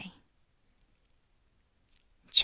CHAP.